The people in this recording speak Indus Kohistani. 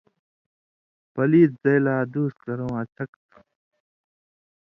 پلیت زَئ لا ادُوس کرٶں اڅھَکوۡ تھُو۔